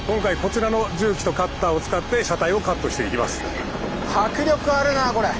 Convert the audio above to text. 今回迫力あるなこれ！